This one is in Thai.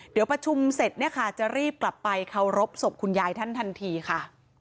เดี๋ยวประชุมเสร็จจะรีบกลับไปเข้ารบศพคุณยายท่านทันทีค่ะ